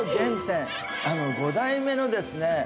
あの５代目のですね